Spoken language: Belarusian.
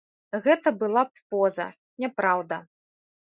Гэта была б поза, няпраўда.